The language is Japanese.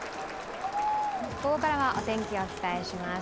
ここからはお天気、お伝えします